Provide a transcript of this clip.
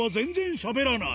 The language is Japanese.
しゃべらない。